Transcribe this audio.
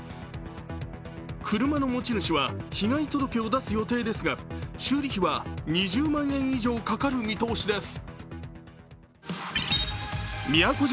車の持ち主は被害届を出す予定ですが、修理費は２０万円以上かかる見通しです。